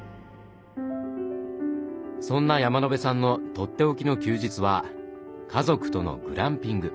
そんな山野辺さんのとっておきの休日は家族とのグランピング。